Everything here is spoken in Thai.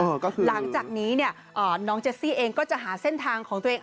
หลังจากนี้น้องแจ๊สซี่เองก็จะหาเส้นทางของตัวเอง